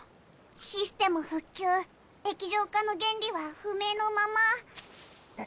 システム復旧液状化の原理は不明のまま。